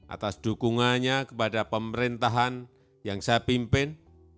atas dukungannya kepada pemerintahan yang saya pimpin